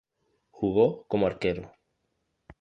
Jugó como Arquero.